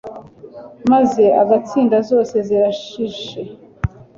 Maze agatsinda zose zirashishe